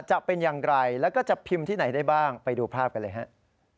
จะเป็นอย่างไรแล้วก็จะพิมพ์ที่ไหนได้บ้างไปดูภาพกันเลยครับ